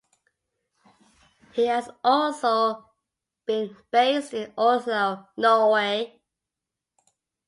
He has also been based in Oslo, Norway.